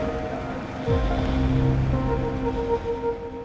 tak secyat bapak kondisi